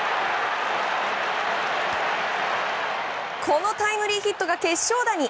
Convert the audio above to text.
このタイムリーヒットが決勝打に！